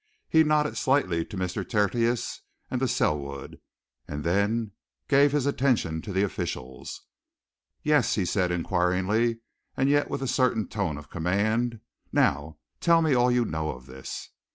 He nodded slightly to Mr. Tertius and to Selwood; then he gave his attention to the officials. "Yes?" he said inquiringly and yet with a certain tone of command. "Now tell me all you know of this."